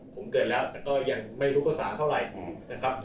ผมเกิดแล้วแต่ก็ยังไม่รู้คุณภาษาเท่าไหร่